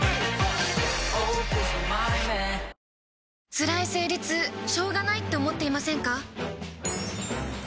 つらい生理痛しょうがないって思っていませんか？